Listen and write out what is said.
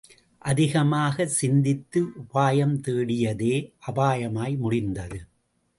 அதிகமாகச் சிந்தித்து — உபாயம் தேடியதே— அபாயமாய் முடிந்தது.